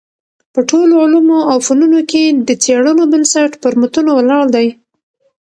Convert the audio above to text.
په ټولو علومو او فنونو کي د څېړنو بنسټ پر متونو ولاړ دﺉ.